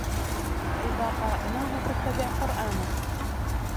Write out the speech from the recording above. فإذا قرأناه فاتبع قرآنه